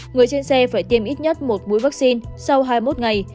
người trên xe phải tiêm ít nhất một mũi vaccine sau hai mươi một ngày